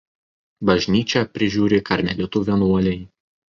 Bažnyčią prižiūri karmelitų vienuoliai.